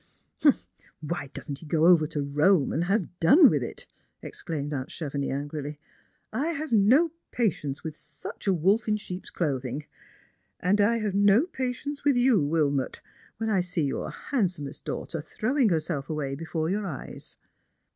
•■ Why doesn't he go over to Rome, and have done with it," exclaimed aunt Chevenix angrily ;" I have no patience with Biich a wolf in sheep's clothing. And I have no patience with f ou, Wilmot, when I see your handsomest daughter throwing herself away before your eyes."